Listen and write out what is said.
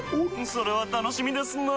それは楽しみですなぁ。